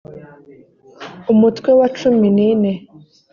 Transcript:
umutwe wa cumi n ine